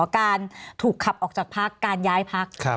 การถูกขับออกจากภักดิ์การย้ายภักดิ์